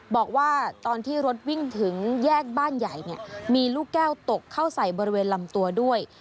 บอกว่าตอนที่รถวิ่งถึงแยกบ้านใหญ่เนี่ยมีลูกแก้วตกเข้าใส่บริเวณลำตัวด้วย